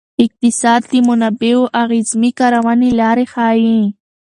اقتصاد د منابعو اعظمي کارونې لارې ښيي.